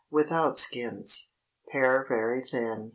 Without the Skins. Pare very thin.